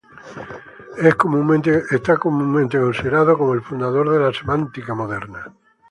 Es comúnmente considerado como el fundador de la semántica moderna.